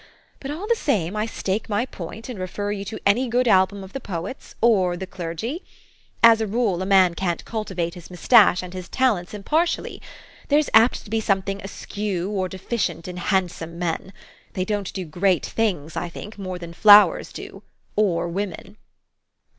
But all the same I stake my point, and refer you to any good album of the poets or the clergy. As a rule, a man can't cultivate his THE STORY OF AVIS. 109 mustache and his talents impartially. There's apt to be something askew or deficient in handsome men. They don't do great things, I think, more than flowers do or women."